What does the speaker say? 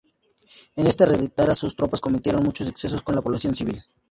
En esta retirada, sus tropas cometieron muchos excesos con la población civil.